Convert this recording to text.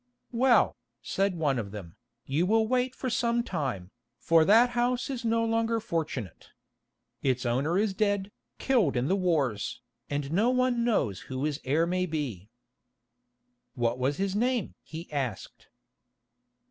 "Well," said one of them, "you will wait for some time, for that house is no longer fortunate. Its owner is dead, killed in the wars, and no one knows who his heir may be." "What was his name?" he asked.